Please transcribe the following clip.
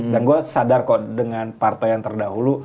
dan gue sadar kok dengan parto yang terdahulu